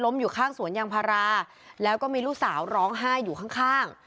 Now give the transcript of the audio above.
อยู่ข้างสวนยางพาราแล้วก็มีลูกสาวร้องไห้อยู่ข้าง